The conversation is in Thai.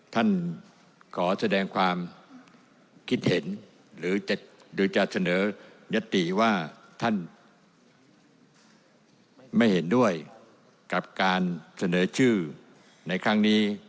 ท่านขอแสดงความคิดเห็นหรือจะเสนอยัตติว่าท่านไม่เห็นด้วยกับการเสนอชื่อในครั้งนี้